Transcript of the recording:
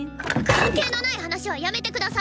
関係のない話はやめて下さい！